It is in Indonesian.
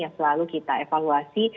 yang selalu kita evaluasi